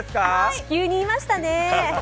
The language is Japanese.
地球にいましたね。